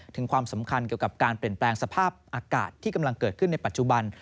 ถึงความสำคัญเกี่ยวกับการเปลี่ยนแปลงสภาพอากาศที่กำลังเกิดขึ้นในปัจจุบัน